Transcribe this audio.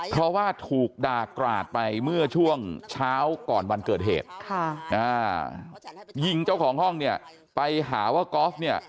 เพราะว่าถูกด่ากราดไปเมื่อช่วงเช้าก่อนวันเกิดเหตุยิงเจ้าของห้องเนี่ยไปหาว่ากอล์ฟเนี่ย